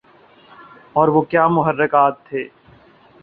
اور وہ کیا محرکات تھے